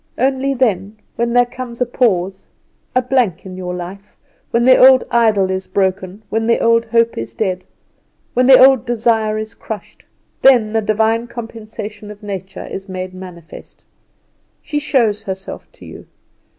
Only then, when there comes a pause, a blank in your life, when the old idol is broken, when the old hope is dead, when the old desire is crushed, then the Divine compensation of Nature is made manifest. She shows herself to you.